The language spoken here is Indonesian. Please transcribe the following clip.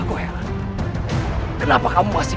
aku harus berhati hati